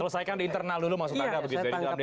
selesaikan di internal dulu maksud anda begitu ya